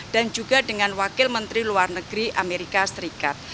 dan juga dengan wakil menteri luar negeri amerika serikat